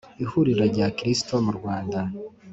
Ihuriro rya kristo mu Rwanda